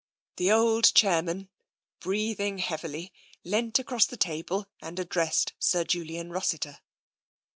The old chairman, breathing heavily, leapt across the table and addressed Sir Julian Rossiter.